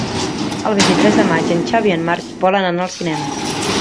El vint-i-tres de maig en Xavi i en Marc volen anar al cinema.